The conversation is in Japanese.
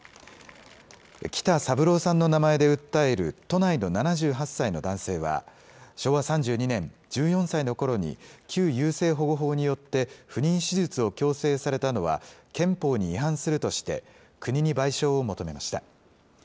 北三郎さんの名前で訴える都内の７８歳の男性は、昭和３２年、１４歳のころに旧優生保護法によって不妊手術を強制されたのは憲法に違反するとして、国に賠償を求めました。